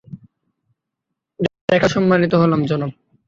দেখা হয়ে সম্মানিত হলাম, জনাব।